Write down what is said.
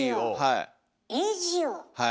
はい。